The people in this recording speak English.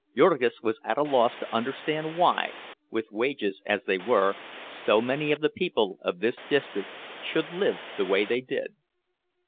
Jurgis was at a loss to understand why, with wages as they were, so many of the people of this district should live the way they did.